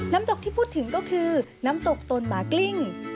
น้ำตกที่พูดถึงก็คือน้ำตกตนหมากลิ้ง